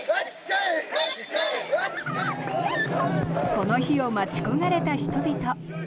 この日を待ち焦がれた人々。